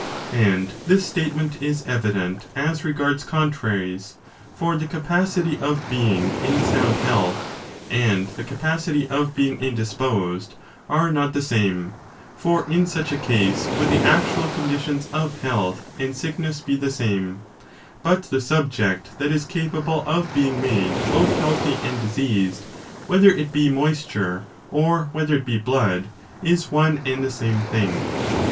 And this statement is evident as regards contraries; for the capacity of being in sound health, and the capacity of being indisposed, are not the same ; for in such a case would the actual conditions of health and sick ness be the same : but the subject that is capable of being made both healthy and diseased, whether it be moisture, or whether it be blood, is one and the same thing.